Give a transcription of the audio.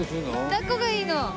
抱っこがいいの？